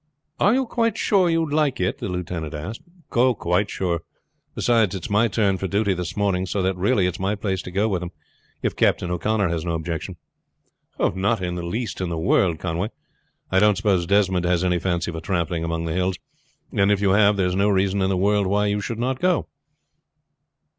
"Are you quite sure you would like it?" the lieutenant asked. "Quite sure. Beside, it's my turn for duty this morning; so that really it's my place to go with them, if Captain O'Connor has no objection." "Not the least in the world, Conway. I don't suppose Desmond has any fancy for tramping among the hills, and if you have, there is no reason in the world why you should not go."